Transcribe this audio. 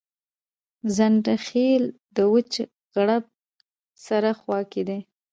ځنډيخيل دوچ غړک سره خواکی دي